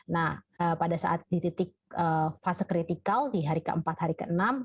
nah pada saat di titik fase critical di hari keempat hari keenam